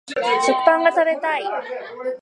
食パンが食べたい